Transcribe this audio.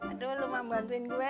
aduh lo mau bantuin gue